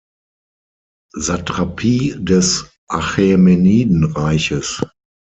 Satrapie des Achämenidenreiches.